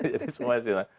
jadi semuanya sih lah